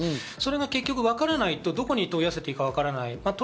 それが分からないとどこに問い合わせていいかわからない。